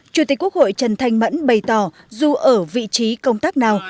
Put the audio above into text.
chủ tịch quốc hội trần thanh mẫn bày tỏ dù ở vị trí công tác nào